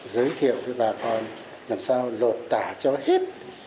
giới thiệu với bà con làm sao lột tả cho nó hết